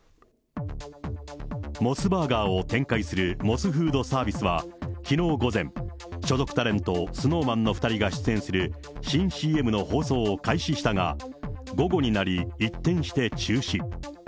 モスバーガーを展開するモスフードサービスは、きのう午前、所属タレント、ＳｎｏｗＭａｎの２人が出演する新ＣＭの放送を開始したが、午後になり、一転して中止。